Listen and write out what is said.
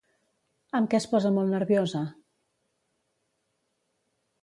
Amb què es posa molt nerviosa?